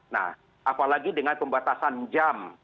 nah apalagi dengan pembatasan jam